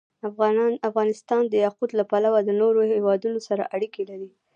افغانستان د یاقوت له پلوه له نورو هېوادونو سره اړیکې لري.